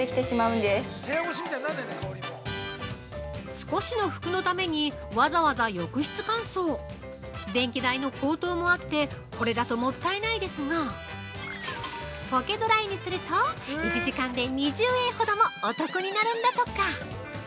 ◆少しの服のためにわざわざ浴室乾燥電気代の高騰もあってこれだと、もったいないですがぽけどらいにすると１時間で２０円ほどもお得になるんだとか。